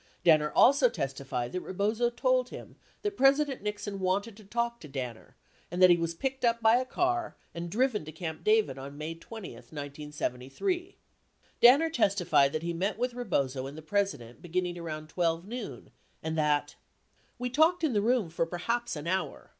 Danner also testified that Rebozo told him that Presi dent Nixon wanted to talk to Danner, and that he was picked up by a car and driven to Camp David on May 20, 1973. 70 Danner testified that he met with Rebozo and the President beginning around 12 noon, and that :we talked in the room for perhaps an hour.